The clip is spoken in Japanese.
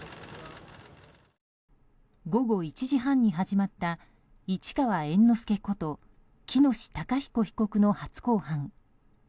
午後１時半に始まった市川猿之助こと喜熨斗孝彦被告の初公判。